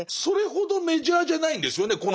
それほどメジャーじゃないんですよね